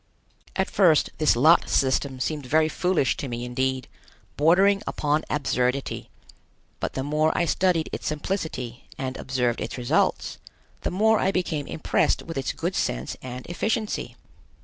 At first this lot system seemed very foolish to me indeed, bordering upon absurdity, but the more I studied its simplicity and observed its results, the more I became impressed with its good sense and efficiency.